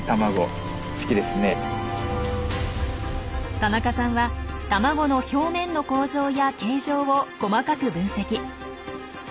田中さんは卵の表面の構造や形状を細かく分析。